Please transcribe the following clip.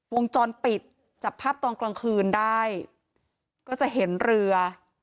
วงจรปิดจับภาพตอนกลางคืนได้ก็จะเห็นเรือ